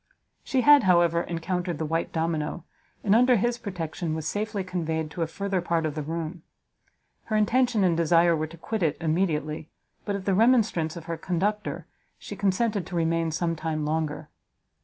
She had, however, encountered the white domino, and, under his protection, was safely conveyed to a further part of the room. Her intention and desire were to quit it immediately, but at the remonstrance of her conductor, she consented to remain some time longer.